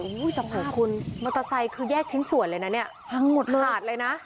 โอ้โหตำรวจคุณมอเตอร์ไซค์คือแยกชิ้นส่วนเลยนะเนี่ยพังหมดเลยขาดเลยนะ